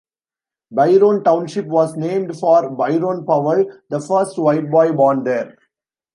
Byron Township was named for Byron Powell, the first white boy born there.